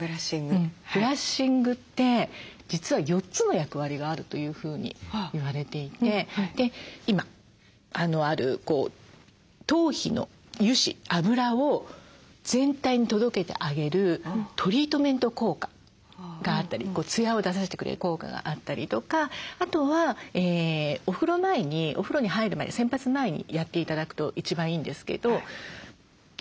ブラッシングって実は４つの役割があるというふうに言われていて今ある頭皮の油脂脂を全体に届けてあげるトリートメント効果があったりツヤを出させてくれる効果があったりとかあとはお風呂前にお風呂に入る前に洗髪前にやって頂くと一番いいんですけどクレンジング効果。